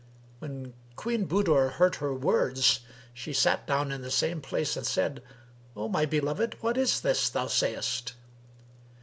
When Queen Budur heard her words, she sat down in the same place and said, "O my beloved, what is this thou sayest?"